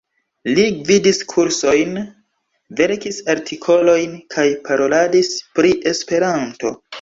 Li gvidis kursojn, verkis artikolojn kaj paroladis pri Esperanto.